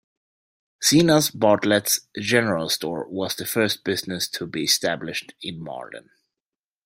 Zenas Bartlett's General Store was the first business to be established in Marlin.